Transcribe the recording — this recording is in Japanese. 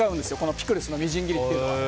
ピクルスのみじん切りというのは。